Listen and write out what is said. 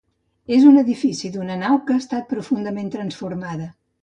És un edifici d'una nau que ha estat profundament transformada.